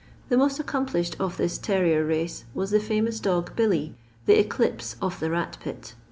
The most accomplished of this terrier race was the fiunona dog Billy, the eclipse of the rat pit.